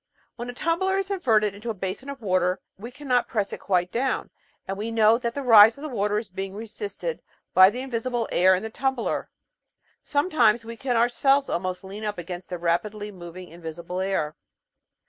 When a tumbler is inverted into a basin of water, we cannot press it quite down, and we know that the rise of the water is being resisted by the invisible air in the tumbler. Sometimes we can ourselves almost lean up against the rapidly moving invisible air